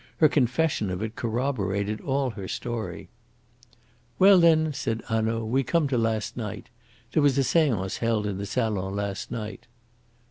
Her confession of it corroborated all her story. "Well, then," said Hanaud, "we come to last night. There was a seance held in the salon last night."